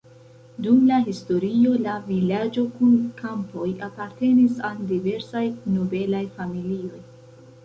Dum la historio la vilaĝo kun kampoj apartenis al diversaj nobelaj familioj.